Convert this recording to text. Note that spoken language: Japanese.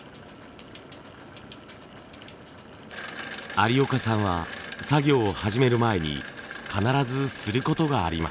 有岡さんは作業を始める前に必ずすることがあります。